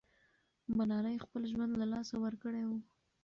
ملالۍ خپل ژوند له لاسه ورکړی وو.